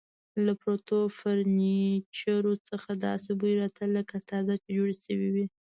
له پرتو فرنیچرو څخه داسې بوی راته، لکه تازه چې جوړ شوي وي.